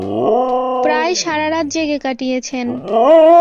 প্রায় সারা রাত জেগে কাটিয়েছেন।